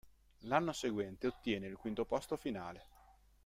L'anno seguente ottiene il quinto posto finale.